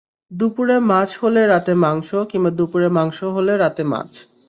দুপুরে মাছ হলে রাতে মাংস, কিংবা দুপুরে মাংস হলে রাতে মাছ।